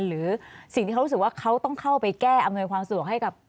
หรือสิ่งที่เขารู้สึกว่าเขาต้องเข้าไปแก้อำนวยความสะดวกให้กับ